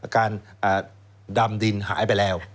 การดำดินหายไปแล้ว